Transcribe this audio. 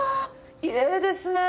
きれいですねえ！